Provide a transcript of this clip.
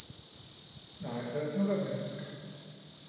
' nej lad os nu være mennesker!